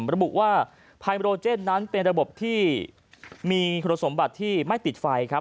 ระบุว่าภัยโรเจนนั้นเป็นระบบที่มีคุณสมบัติที่ไม่ติดไฟครับ